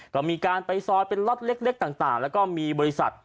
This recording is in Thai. ก็มีการไปซอยเป็นล็อตเล็กต่างแล้วก็มีบริษัท